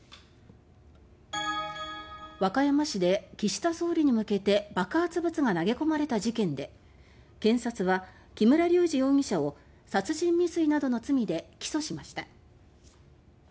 和歌山市で岸田総理に向けて爆発物が投げ込まれた事件で検察は木村隆二容疑者を殺人未遂などの罪で起訴しました。